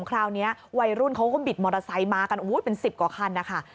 คราวนี้วัยรุ่นเขาก็บิดมอเตอร์ไซค์มากันเป็น๑๐กว่าคันนะคะ